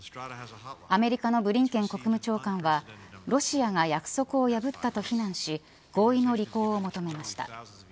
アメリカのブリンケン国務長官はロシアが約束を破ったと非難し合意の履行を求めました。